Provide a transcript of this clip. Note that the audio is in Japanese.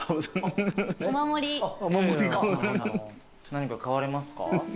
何か買われますか？